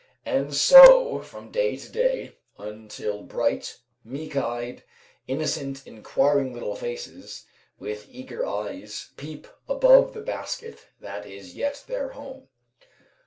And so from day to day, until bright, meek eyed, innocent, inquiring little faces, with eager eyes, peep above the basket that is yet their home.